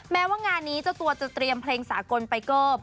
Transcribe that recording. แม้ว่างานนี้เจ้าตัวจะเตรียมเพลงสากลไปเกิบ